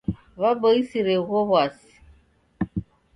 W'aboisire ugho w'asi.